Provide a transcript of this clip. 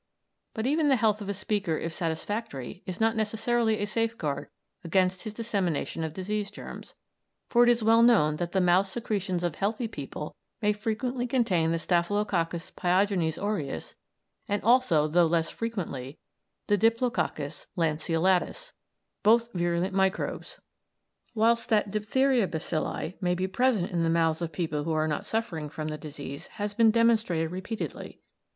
But even the health of a speaker if satisfactory is not necessarily a safeguard against his dissemination of disease germs, for it is well known that the mouth secretions of healthy people may frequently contain the staphylococcus pyogenes aureus, and also, though less frequently, the diplococcus lanceolatus, both virulent microbes; whilst that diphtheria bacilli may be present in the mouths of people who are not suffering from the disease has been demonstrated repeatedly.